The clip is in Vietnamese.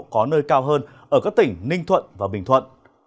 có nơi cao hơn ở các tỉnh ninh thuận và bình thuận